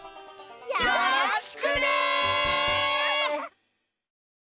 よろしくね！